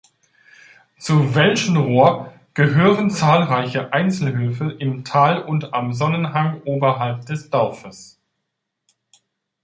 Zu Welschenrohr gehören zahlreiche Einzelhöfe im Tal und am Sonnenhang oberhalb des Dorfes.